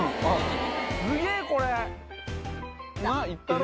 すげえこれ！